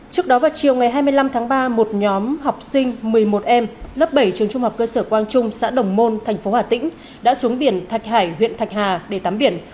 trước đó vào chiều ngày hai mươi năm tháng ba một nhóm học sinh một mươi một em lớp bảy trường trung học cơ sở quang trung xã đồng môn thành phố hà tĩnh đã xuống biển thạch hải huyện thạch hà để tắm biển